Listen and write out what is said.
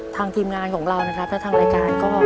ทีมงานของเรานะครับและทางรายการก็